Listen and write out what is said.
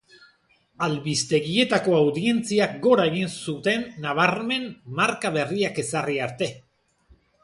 Albistegietako audientziak gora egin zuten nabarmen marka berriak ezarri arte.